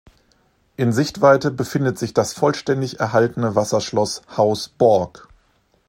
In Sichtweite befindet sich das vollständig erhaltene Wasserschloss Haus Borg.